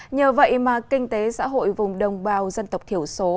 nhờ vậy mà kinh tế xã hội vùng đồng bào dân tộc thiểu số